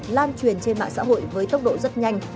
lan truyền trên mạng xã hội với tốc độ rất nhanh